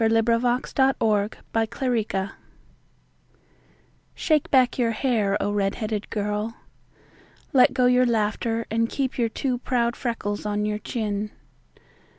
Red headed Restaurant Cashier SHAKE back your hair, O red headed girl. Let go your laughter and keep your two proud freckles on your chin.